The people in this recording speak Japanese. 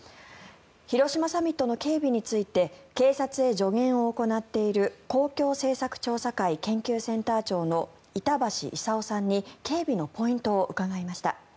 広島サミットの警備について警察へ助言を行っている公共政策調査会研究センター長の板橋功さんに警備のポイントを伺いました。